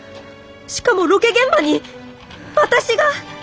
しかもロケ現場に私が！？